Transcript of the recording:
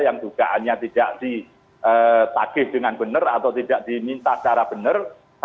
yang dugaannya tidak ditagih dengan benar atau tidak diminta secara benar